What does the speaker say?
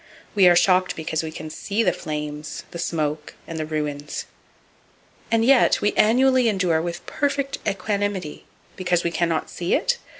We are shocked because we can see the flames, the smoke and the ruins. And yet, we annually endure with perfect equanimity (because we can not see it?)